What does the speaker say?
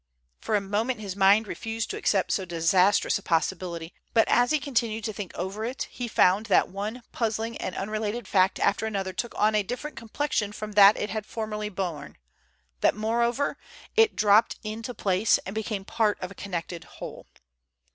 For a moment his mind refused to accept so disastrous a possibility, but as he continued to think over it he found that one puzzling and unrelated fact after another took on a different complexion from that it had formerly borne; that, moreover, it dropped into place and became part of a connected whole.